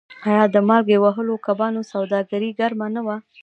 آیا د مالګې وهلو کبانو سوداګري ګرمه نه وه؟